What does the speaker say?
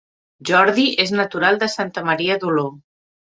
Jordi és natural de Santa Maria d'Oló